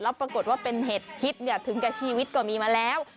แล้วปรากฏว่าเป็นเห็ดพิษถึงกับชีวิตก็มีมาแล้ว